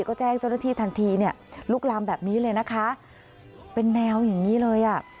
ก็แจ้งเจ้าหน้าที่ทันทีเนี่ยลุกลามแบบนี้เลยนะคะเป็นแนวอย่างนี้เลยอ่ะ